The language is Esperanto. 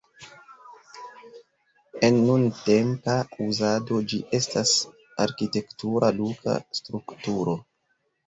En nuntempa uzado ĝi estas arkitektura luka strukturo.